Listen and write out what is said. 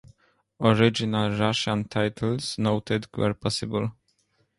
Original Russian titles noted where possible.